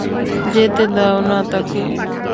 যেতে দাও না তাকে।